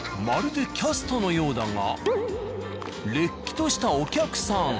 まるでキャストのようだがれっきとしたお客さん。